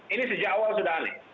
ini sejak awal sudah aneh